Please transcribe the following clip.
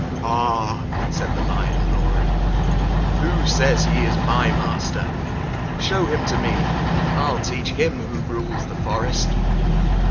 "Ha!" said the Lion, roaring; "who says he is my master? Show him to me. I'll teach him who rules the forest."